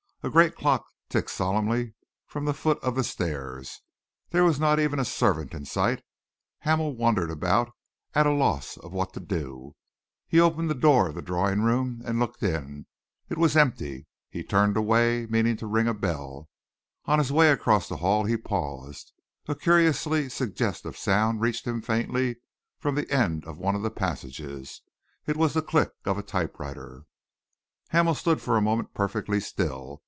A great clock ticked solemnly from the foot of the stairs. There was not even a servant in sight. Hamel wandered around, at a loss what to do. He opened the door of the drawing room and looked in. It was empty. He turned away, meaning to ring a bell. On his way across the hall he paused. A curiously suggestive sound reached him faintly from the end of one of the passages. It was the click of a typewriter. Hamel stood for a moment perfectly still.